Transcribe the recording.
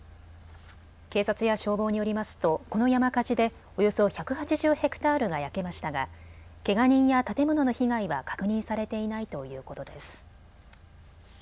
警察や消防によりますとこの山火事でおよそ１８０ヘクタールが焼けましたがけが人や建物の被害は確認されていないということです。